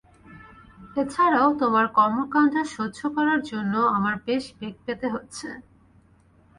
এছাড়াও, তোমার কর্মকাণ্ড সহ্য করার জন্যও আমার বেশ বেগ পেতে হচ্ছে।